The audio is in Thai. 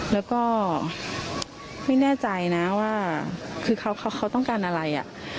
แล้วก็ไม่แน่ใจนะว่าคือเขาต้องการอะไร